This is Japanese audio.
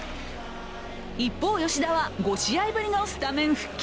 一方、吉田は５試合ぶりのスタメン復帰。